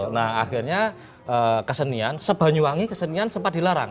nah akhirnya kesenian sebanyuwangi kesenian sempat dilarang